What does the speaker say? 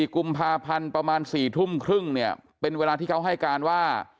กุมภาพันธ์ประมาณ๔ทุ่มครึ่งเนี่ยเป็นเวลาที่เขาให้การว่า